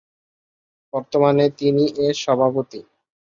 বর্তমানে তিনি এর সভাপতি।